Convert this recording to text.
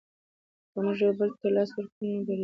که موږ یو بل ته لاس ورکړو نو بریالي یو.